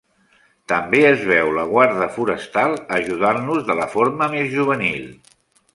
També es veu la guarda forestal ajudant-los de la forma més juvenil.